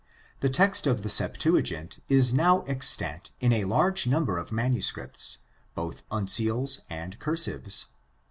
The text of the Septuagint is now extant in a large number of manu scripts, both uncials and cursives.